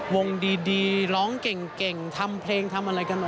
วงดีร้องเก่งทำเพลงทำอะไรกันมา